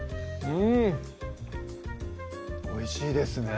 おいしいですね